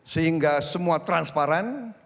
sehingga semua transparan